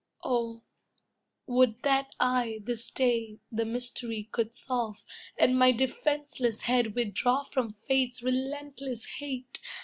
Oh, would That I, this day, the mystery could solve, And my defenceless head withdraw from Fate's Relentless hate!